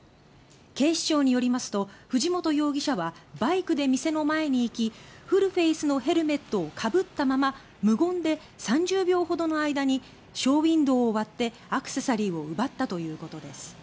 警視庁によりますと藤本容疑者はバイクで店の前に行きフルフェイスのヘルメットをかぶったまま無言で３０秒ほどの間にショーウィンドーを割ってアクセサリーを奪ったということです。